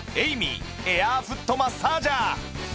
ＡｉＭＹ エアーフットマッサージャー